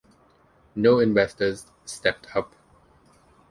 No investors stepped up.